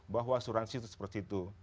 bahwa asuransi itu seperti itu